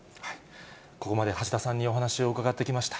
ここまで橋田さんにお話を伺ってきました。